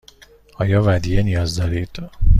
آیا ودیعه نیاز دارید؟